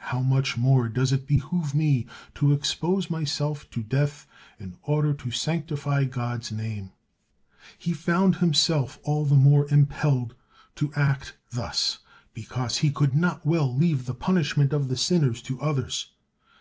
How much more does it behoove me to expose myself to death in order to sanctify God's name!" He found himself all the more impelled to act thus because he could not well leave the punishment of the sinners to others.